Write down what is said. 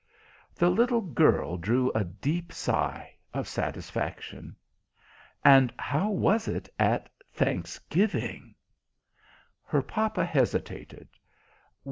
The little girl drew a deep sigh of satisfaction. "And how was it at Thanksgiving?" Her papa hesitated.